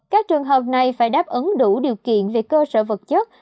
các trường hợp này phải đáp ứng đủ điều kiện về cơ sở vật chất